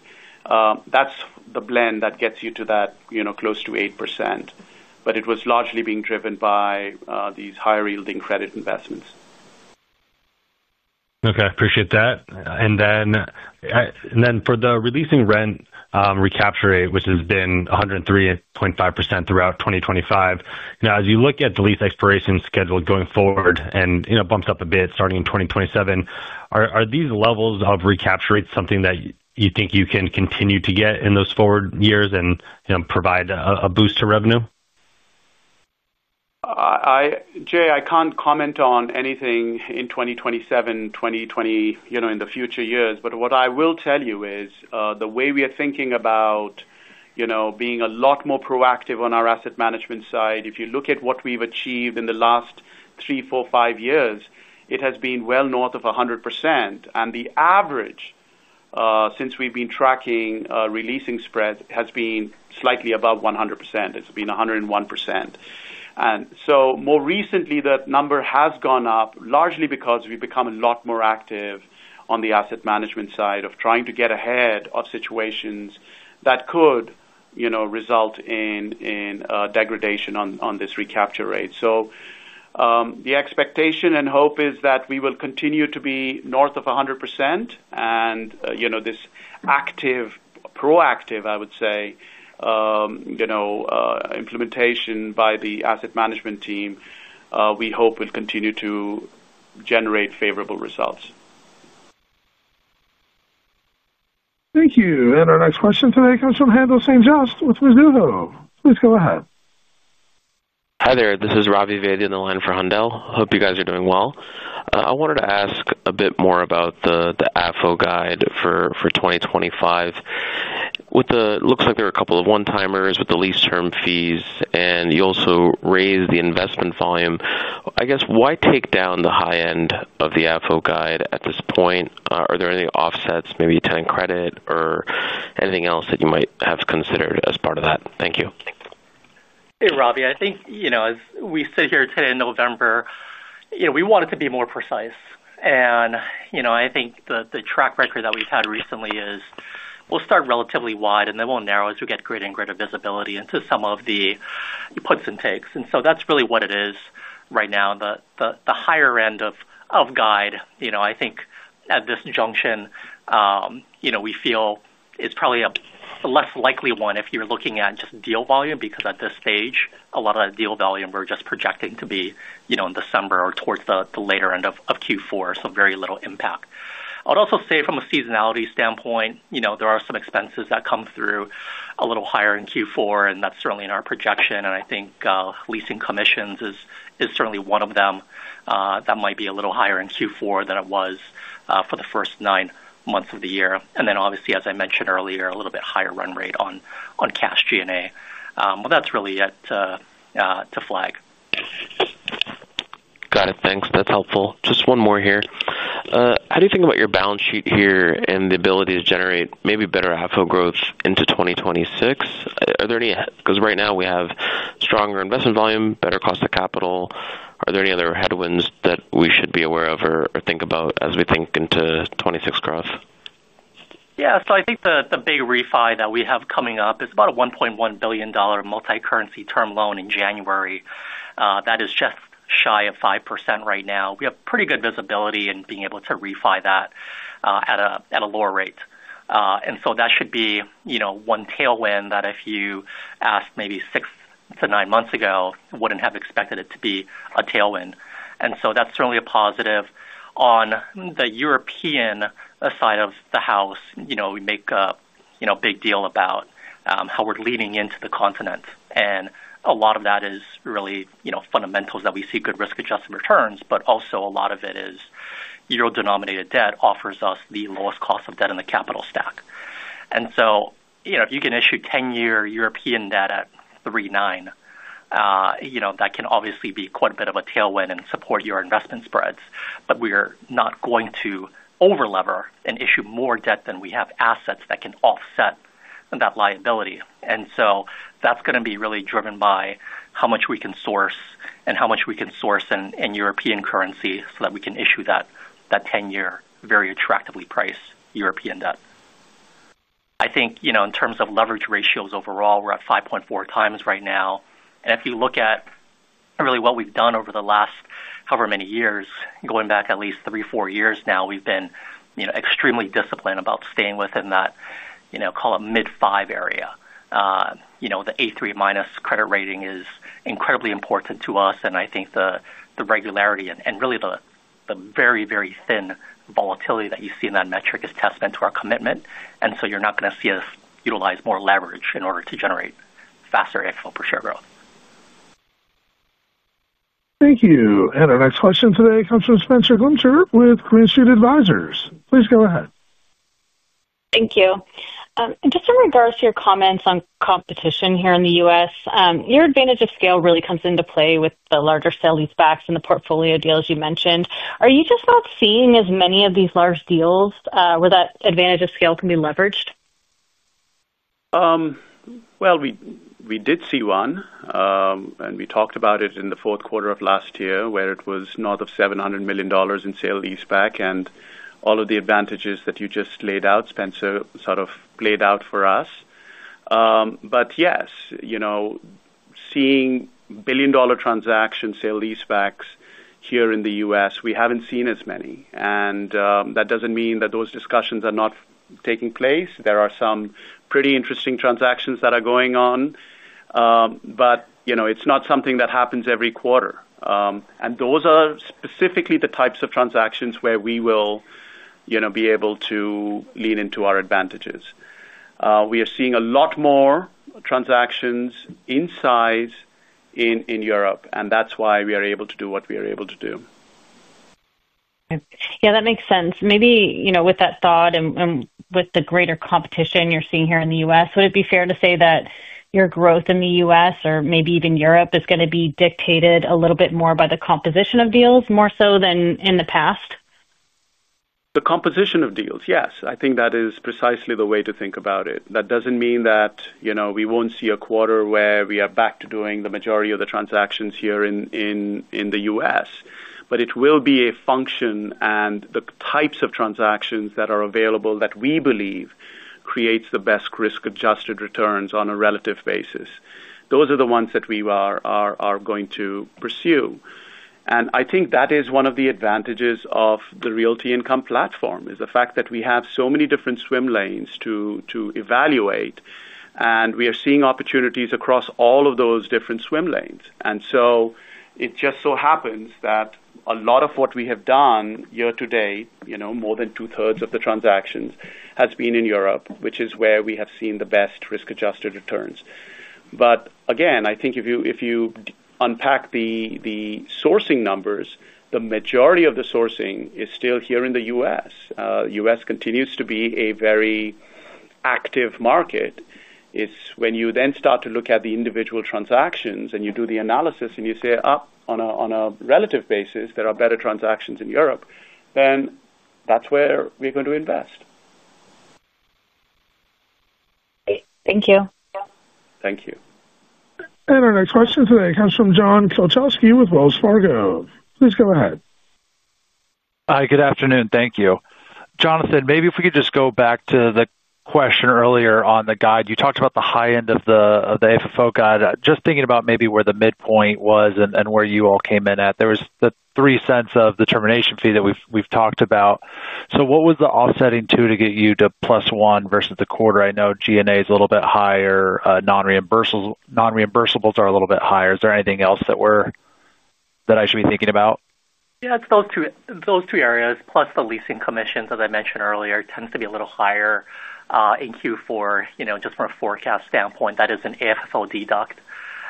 Speaker 3: That's the blend that gets you to that close to 8%. It was largely being driven by these higher-yielding credit investments.
Speaker 11: Okay. Appreciate that. For the releasing rent recapture rate, which has been 103.5% throughout 2025, as you look at the lease expiration schedule going forward and bumps up a bit starting in 2027, are these levels of recapture rates something that you think you can continue to get in those forward years and provide a boost to revenue?
Speaker 3: Jay, I can't comment on anything in 2027, 202-, in the future years. What I will tell you is the way we are thinking about being a lot more proactive on our asset management side. If you look at what we've achieved in the last three, four, five years, it has been well north of 100%. The average since we've been tracking releasing spread has been slightly above 100%. It's been 101%. More recently, that number has gone up largely because we've become a lot more active on the asset management side of trying to get ahead of situations that could result in degradation on this recapture rate. The expectation and hope is that we will continue to be north of 100%. This active, proactive, I would say, implementation by the asset management team, we hope will continue to generate favorable results.
Speaker 1: Thank you. Our next question today comes from Haendel St. Juste with Mizuho. Please go ahead.
Speaker 12: Hi there. This is Ravi Vaidya on for Haendel. Hope you guys are doing well. I wanted to ask a bit more about the AFFO guide for 2025. It looks like there are a couple of one-timers with the lease term fees, and you also raised the investment volume. I guess, why take down the high end of the AFFO guide at this point? Are there any offsets, maybe tenant credit or anything else that you might have considered as part of that? Thank you.
Speaker 4: Hey, Ravi. I think as we sit here today in November, we want it to be more precise. I think the track record that we've had recently is we'll start relatively wide and then we'll narrow as we get greater and greater visibility into some of the puts and takes. That's really what it is right now. The higher end of guide, I think at this junction, we feel is probably a less likely one if you're looking at just deal volume because at this stage, a lot of that deal volume we're just projecting to be in December or towards the later end of Q4, so very little impact. I would also say from a seasonality standpoint, there are some expenses that come through a little higher in Q4, and that's certainly in our projection. I think leasing commissions is certainly one of them that might be a little higher in Q4 than it was for the first nine months of the year. Obviously, as I mentioned earlier, a little bit higher run rate on cash G&A. That's really yet to flag.
Speaker 12: Got it. Thanks. That's helpful. Just one more here. How do you think about your balance sheet here and the ability to generate maybe better AFFO growth into 2026? Because right now we have stronger investment volume, better cost of capital. Are there any other headwinds that we should be aware of or think about as we think into 2026 growth?
Speaker 4: Yeah. So I think the big refi that we have coming up is about a $1.1 billion multi-currency term loan in January. That is just shy of 5% right now. We have pretty good visibility in being able to refi that at a lower rate. That should be one tailwind that if you asked maybe six to nine months ago, would not have expected it to be a tailwind. That is certainly a positive. On the European side of the house, we make a big deal about how we are leading into the continent. A lot of that is really fundamentals that we see good risk-adjusted returns, but also a lot of it is euro-denominated debt offers us the lowest cost of debt in the capital stack. If you can issue 10-year European debt at 3.9%, that can obviously be quite a bit of a tailwind and support your investment spreads. We are not going to over-lever and issue more debt than we have assets that can offset that liability. That is going to be really driven by how much we can source and how much we can source in European currency so that we can issue that 10-year very attractively priced European debt. I think in terms of leverage ratios overall, we are at 5.4x right now. If you look at really what we have done over the last however many years, going back at least three, four years now, we have been extremely disciplined about staying within that, call it, mid-five area. The A3 minus credit rating is incredibly important to us. I think the regularity and really the very, very thin volatility that you see in that metric is testament to our commitment. You are not going to see us utilize more leverage in order to generate faster AFFO per share growth.
Speaker 1: Thank you. Our next question today comes from Spenser Glimcher with Green Street Advisors. Please go ahead.
Speaker 13: Thank you. Just in regards to your comments on competition here in the U.S., your advantage of scale really comes into play with the larger sale lease packs and the portfolio deals you mentioned. Are you just not seeing as many of these large deals where that advantage of scale can be leveraged?
Speaker 3: We did see one. We talked about it in the fourth quarter of last year where it was north of $700 million in sale lease pack. All of the advantages that you just laid out, Spenser, sort of played out for us. Yes, seeing billion-dollar transaction sale lease packs here in the U.S., we have not seen as many. That does not mean that those discussions are not taking place. There are some pretty interesting transactions that are going on. It is not something that happens every quarter. Those are specifically the types of transactions where we will be able to lean into our advantages. We are seeing a lot more transactions in size in Europe, and that is why we are able to do what we are able to do.
Speaker 13: Yeah, that makes sense. Maybe with that thought and with the greater competition you're seeing here in the U.S., would it be fair to say that your growth in the U.S. or maybe even Europe is going to be dictated a little bit more by the composition of deals more so than in the past?
Speaker 3: The composition of deals, yes. I think that is precisely the way to think about it. That does not mean that we will not see a quarter where we are back to doing the majority of the transactions here in the U.S. It will be a function and the types of transactions that are available that we believe creates the best risk-adjusted returns on a relative basis. Those are the ones that we are going to pursue. I think that is one of the advantages of the Realty Income platform is the fact that we have so many different swim lanes to evaluate. We are seeing opportunities across all of those different swim lanes. It just so happens that a lot of what we have done year to date, more than two-thirds of the transactions, has been in Europe, which is where we have seen the best risk-adjusted returns. Again, I think if you unpack the sourcing numbers, the majority of the sourcing is still here in the U.S. The U.S. continues to be a very active market. When you then start to look at the individual transactions and you do the analysis and you say, "Oh, on a relative basis, there are better transactions in Europe," that is where we are going to invest.
Speaker 13: Thank you.
Speaker 3: Thank you.
Speaker 1: Our next question today comes from John Kilichowski with Wells Fargo. Please go ahead.
Speaker 14: Hi, good afternoon. Thank you. Jonathan, maybe if we could just go back to the question earlier on the guide. You talked about the high end of the AFFO guide. Just thinking about maybe where the midpoint was and where you all came in at. There was the $0.03 of the termination fee that we've talked about. What was the offsetting to get you to plus one versus the quarter? I know G&A is a little bit higher. Non-reimbursables are a little bit higher. Is there anything else that I should be thinking about?
Speaker 4: Yeah, it's those two areas, plus the leasing commissions, as I mentioned earlier, tends to be a little higher in Q4 just from a forecast standpoint. That is an AFFO deduct.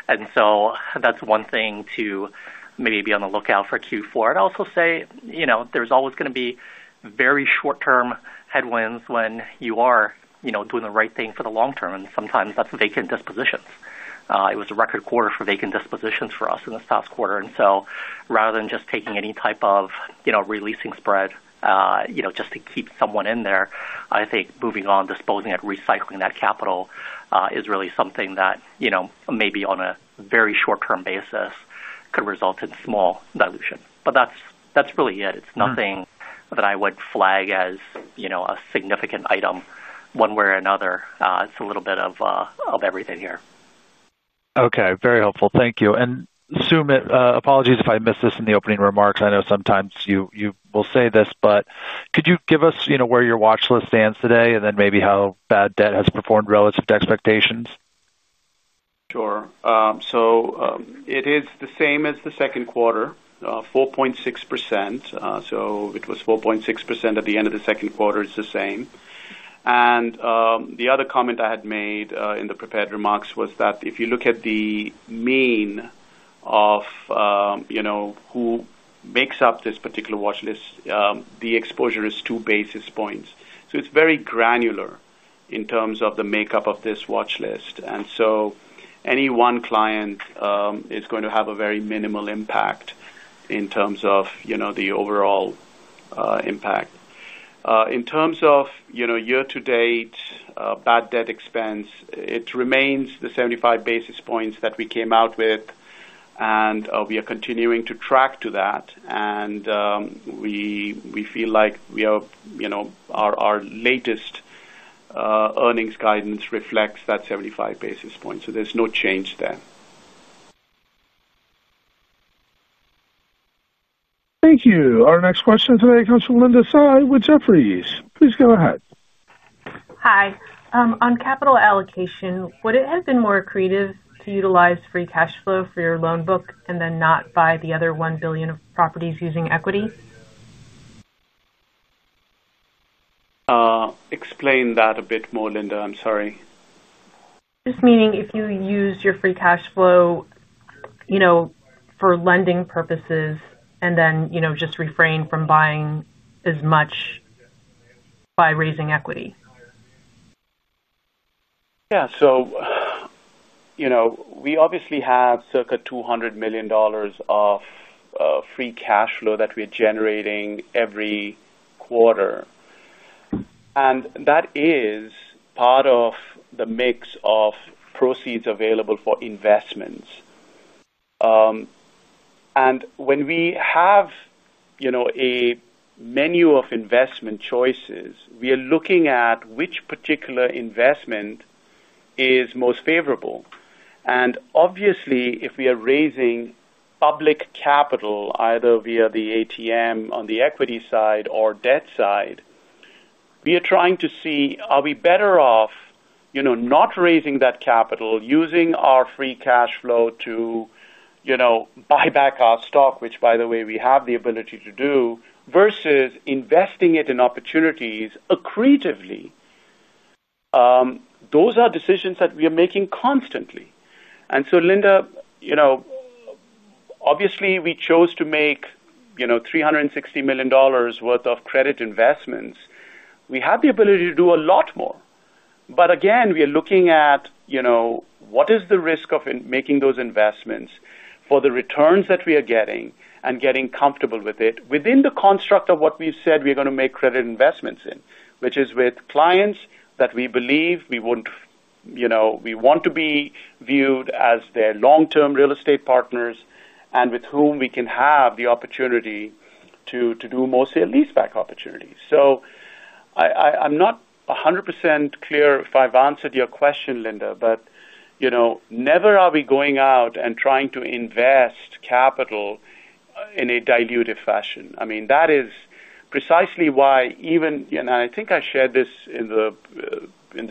Speaker 4: That's one thing to maybe be on the lookout for Q4. I'd also say there's always going to be very short-term headwinds when you are doing the right thing for the long term. Sometimes that's vacant dispositions. It was a record quarter for vacant dispositions for us in this past quarter. Rather than just taking any type of releasing spread just to keep someone in there, I think moving on, disposing it, recycling that capital is really something that maybe on a very short-term basis could result in small dilution. That's really it. It's nothing that I would flag as a significant item one way or another. It's a little bit of everything here.
Speaker 14: Okay. Very helpful. Thank you. Sumit, apologies if I missed this in the opening remarks. I know sometimes you will say this, but could you give us where your watch list stands today and then maybe how bad debt has performed relative to expectations?
Speaker 3: Sure. It is the same as the second quarter, 4.6%. It was 4.6% at the end of the second quarter. It is the same. The other comment I had made in the prepared remarks was that if you look at the mean of who makes up this particular watch list, the exposure is two basis points. It is very granular in terms of the makeup of this watch list. Any one client is going to have a very minimal impact in terms of the overall impact. In terms of year-to-date bad debt expense, it remains the 75 basis points that we came out with. We are continuing to track to that. We feel like our latest earnings guidance reflects that 75 basis points. There is no change there.
Speaker 1: Thank you. Our next question today comes from Linda Tsai with Jefferies. Please go ahead.
Speaker 15: Hi. On capital allocation, would it have been more accretive to utilize free cash flow for your loan book and then not buy the other $1 billion of properties using equity?
Speaker 3: Explain that a bit more, Linda. I'm sorry.
Speaker 15: Just meaning if you use your free cash flow for lending purposes and then just refrain from buying as much by raising equity.
Speaker 3: Yeah. So. We obviously have circa $200 million of free cash flow that we're generating every quarter. And that is part of the mix of proceeds available for investments. And when we have a menu of investment choices, we are looking at which particular investment is most favorable. Obviously, if we are raising public capital either via the ATM on the equity side or debt side, we are trying to see, are we better off not raising that capital, using our free cash flow to buy back our stock, which, by the way, we have the ability to do, versus investing it in opportunities accretively? Those are decisions that we are making constantly. And so, Linda, obviously, we chose to make $360 million worth of credit investments. We have the ability to do a lot more. But again, we are looking at what is the risk of making those investments for the returns that we are getting and getting comfortable with it within the construct of what we've said we're going to make credit investments in, which is with clients that we believe we want to be viewed as their long-term real estate partners and with whom we can have the opportunity to do more sale lease pack opportunities. I'm not 100% clear if I've answered your question, Linda, but never are we going out and trying to invest capital in a dilutive fashion. I mean, that is precisely why even—and I think I shared this in the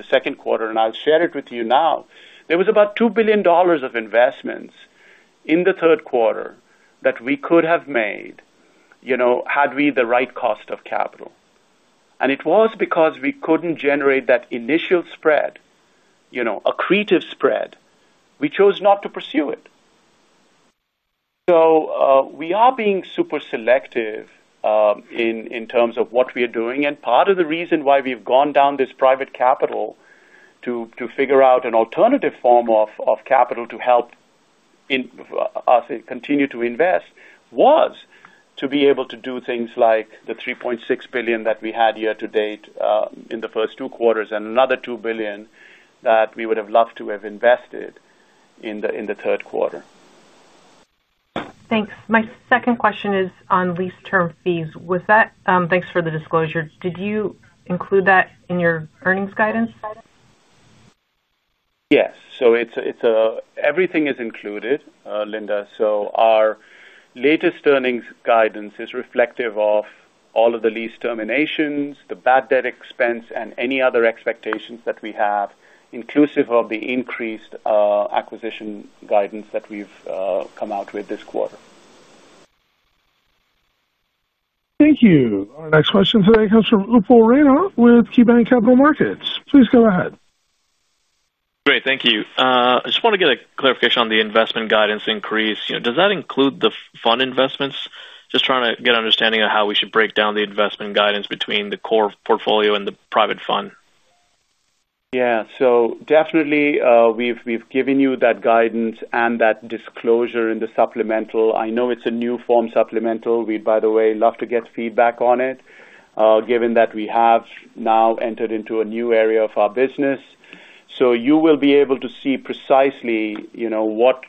Speaker 3: second quarter, and I'll share it with you now—there was about $2 billion of investments in the third quarter that we could have made had we the right cost of capital. And it was because we couldn't generate that initial spread, accretive spread, we chose not to pursue it. We are being super selective in terms of what we are doing. Part of the reason why we've gone down this private capital to figure out an alternative form of capital to help us continue to invest was to be able to do things like the $3.6 billion that we had year-to-date in the first two quarters and another $2 billion that we would have loved to have invested in the third quarter.
Speaker 15: Thanks. My second question is on lease term fees. Thanks for the disclosure. Did you include that in your earnings guidance?
Speaker 3: Yes. Everything is included, Linda. Our latest earnings guidance is reflective of all of the lease terminations, the bad debt expense, and any other expectations that we have, inclusive of the increased acquisition guidance that we've come out with this quarter.
Speaker 1: Thank you. Our next question today comes from Upal Rana with KeyBanc Capital Markets. Please go ahead.
Speaker 16: Great. Thank you. I just want to get a clarification on the investment guidance increase. Does that include the fund investments? Just trying to get an understanding of how we should break down the investment guidance between the core portfolio and the private fund.
Speaker 3: Yeah. So definitely, we've given you that guidance and that disclosure in the supplemental. I know it's a new form supplemental. We, by the way, love to get feedback on it. Given that we have now entered into a new area of our business. You will be able to see precisely what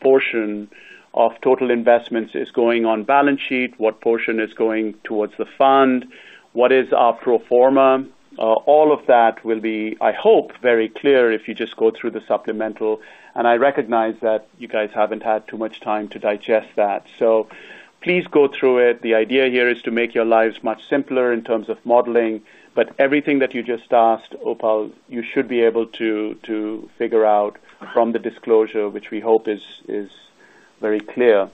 Speaker 3: portion of total investments is going on balance sheet, what portion is going towards the fund, what is our pro forma. All of that will be, I hope, very clear if you just go through the supplemental. I recognize that you guys haven't had too much time to digest that. Please go through it. The idea here is to make your lives much simpler in terms of modeling. Everything that you just asked, Upal, you should be able to figure out from the disclosure, which we hope is very clear.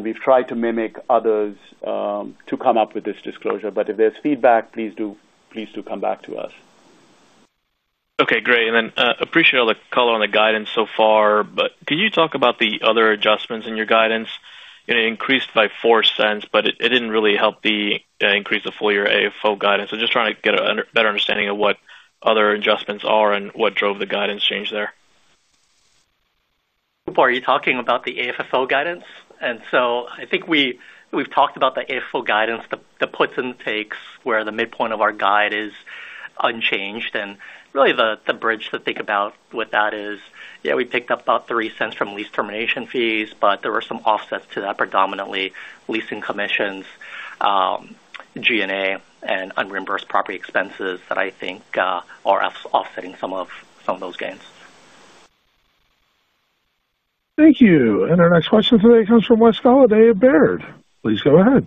Speaker 3: We've tried to mimic others to come up with this disclosure. If there's feedback, please do come back to us.
Speaker 16: Okay. Great. I appreciate all the color on the guidance so far. Can you talk about the other adjustments in your guidance? It increased by $0.04, but it did not really help the increase of full year AFFO guidance. I am just trying to get a better understanding of what other adjustments are and what drove the guidance change there.
Speaker 4: Are you talking about the AFFO guidance? I think we've talked about the AFFO guidance, the puts and takes where the midpoint of our guide is unchanged. Really, the bridge to think about with that is, yeah, we picked up about $0.03 from lease termination fees, but there were some offsets to that, predominantly leasing commissions, G&A, and unreimbursed property expenses that I think are offsetting some of those gains.
Speaker 1: Thank you. Our next question today comes from Wes Golladay. Please go ahead.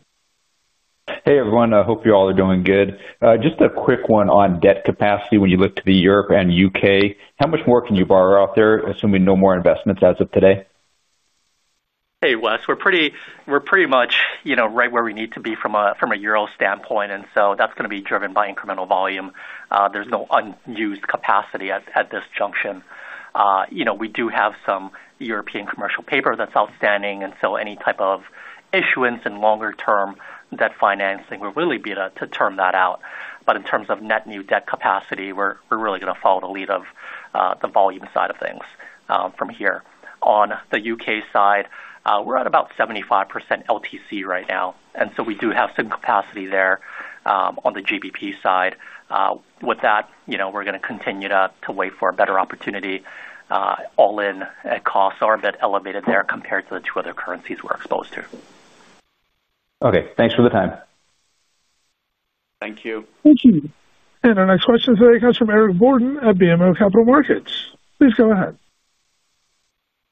Speaker 17: Hey, everyone. I hope you all are doing good. Just a quick one on debt capacity when you look to the Europe and U.K. How much more can you borrow out there, assuming no more investments as of today?
Speaker 4: Hey, Wes. We're pretty much right where we need to be from a euro standpoint. That's going to be driven by incremental volume. There's no unused capacity at this junction. We do have some European commercial paper that's outstanding. Any type of issuance and longer-term debt financing, we're really to term that out. In terms of net new debt capacity, we're really going to follow the lead of the volume side of things from here. On the U.K. side, we're at about 75% LTC right now. We do have some capacity there on the GBP side. With that, we're going to continue to wait for a better opportunity. All-in costs are a bit elevated there compared to the two other currencies we're exposed to.
Speaker 17: Okay. Thanks for the time.
Speaker 3: Thank you.
Speaker 1: Thank you. Our next question today comes from Eric Borden at BMO Capital Markets. Please go ahead.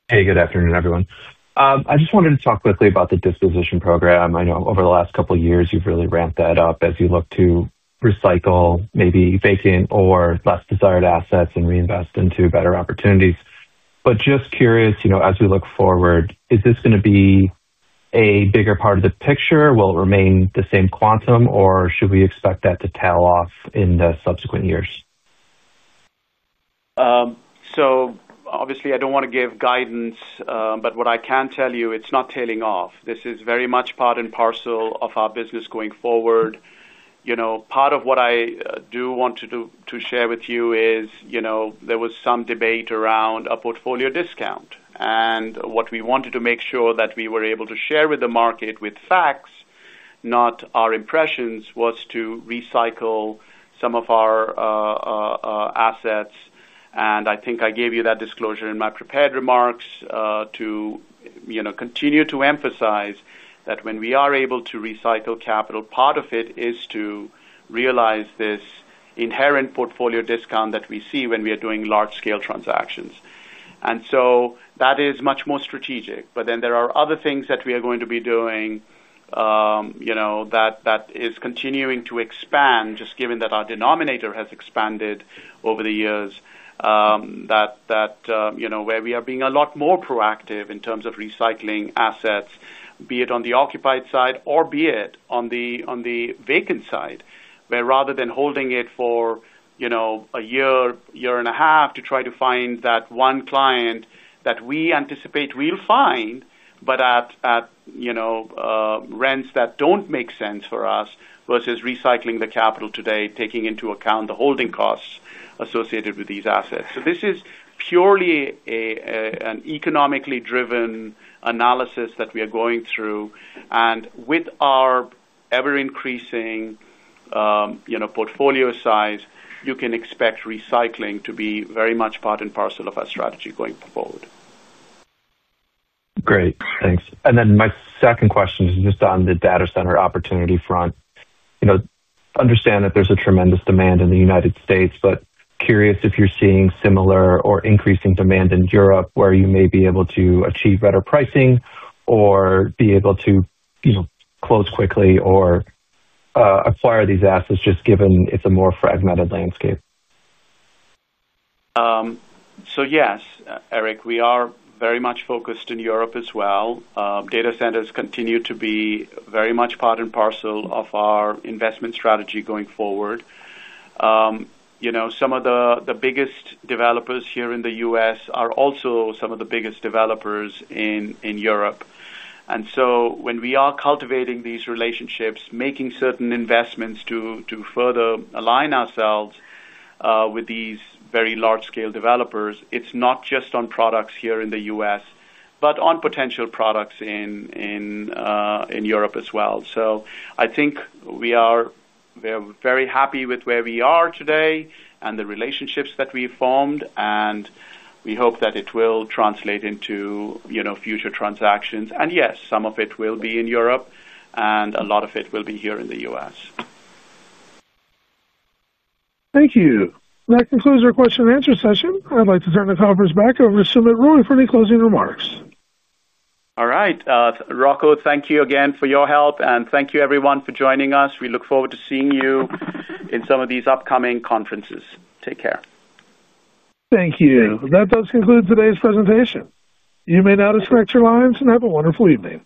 Speaker 18: Hey, good afternoon, everyone. I just wanted to talk quickly about the disposition program. I know over the last couple of years, you've really ramped that up as you look to recycle maybe vacant or less desired assets and reinvest into better opportunities. Just curious, as we look forward, is this going to be a bigger part of the picture? Will it remain the same quantum, or should we expect that to tail off in the subsequent years?
Speaker 3: Obviously, I don't want to give guidance, but what I can tell you, it's not tailing off. This is very much part and parcel of our business going forward. Part of what I do want to share with you is there was some debate around a portfolio discount. What we wanted to make sure that we were able to share with the market with facts, not our impressions, was to recycle some of our assets. I think I gave you that disclosure in my prepared remarks to continue to emphasize that when we are able to recycle capital, part of it is to realize this inherent portfolio discount that we see when we are doing large-scale transactions. That is much more strategic. Then there are other things that we are going to be doing. That is continuing to expand, just given that our denominator has expanded over the years, that we are being a lot more proactive in terms of recycling assets, be it on the occupied side or be it on the vacant side, where rather than holding it for a year, year and a half to try to find that one client that we anticipate we'll find, but at rents that don't make sense for us versus recycling the capital today, taking into account the holding costs associated with these assets. This is purely an economically driven analysis that we are going through. With our ever-increasing portfolio size, you can expect recycling to be very much part and parcel of our strategy going forward.
Speaker 18: Great. Thanks. My second question is just on the data center opportunity front. I understand that there's a tremendous demand in the United States, but curious if you're seeing similar or increasing demand in Europe where you may be able to achieve better pricing or be able to close quickly or acquire these assets just given it's a more fragmented landscape.
Speaker 3: Yes, Eric, we are very much focused in Europe as well. Data centers continue to be very much part and parcel of our investment strategy going forward. Some of the biggest developers here in the U.S. are also some of the biggest developers in Europe. When we are cultivating these relationships, making certain investments to further align ourselves with these very large-scale developers, it is not just on products here in the U.S., but on potential products in Europe as well. I think we are very happy with where we are today and the relationships that we have formed. We hope that it will translate into future transactions. Yes, some of it will be in Europe, and a lot of it will be here in the U.S.
Speaker 1: Thank you. That concludes our question and answer session. I'd like to turn the conference back over to Sumit Roy for any closing remarks.
Speaker 3: All right. Rocco, thank you again for your help. Thank you, everyone, for joining us. We look forward to seeing you in some of these upcoming conferences. Take care.
Speaker 1: Thank you. That does conclude today's presentation. You may now disconnect your lines and have a wonderful evening.